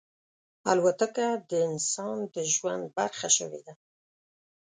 الوتکه د انسان د ژوند برخه شوې ده.